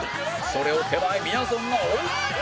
それを手前みやぞんが追う！